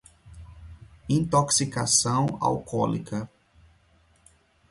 intoxicação alcoólica